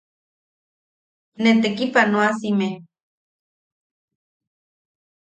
Ne tekipanoasime.